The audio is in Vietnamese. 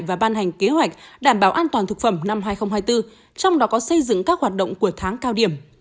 và ban hành kế hoạch đảm bảo an toàn thực phẩm năm hai nghìn hai mươi bốn trong đó có xây dựng các hoạt động của tháng cao điểm